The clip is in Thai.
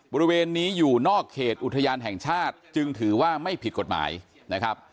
บริเวณนี้อยู่นอกเขตอุทยานแห่งชาติจึงถือว่าไม่ผิดกฎหมายนะครับ